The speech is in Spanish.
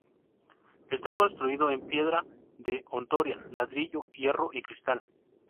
Está construido en piedra de Hontoria, ladrillo, hierro y cristal.